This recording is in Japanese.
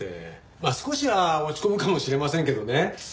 まあ少しは落ち込むかもしれませんけどね。